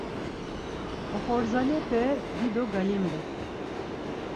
Oxorzalepe dido galimben.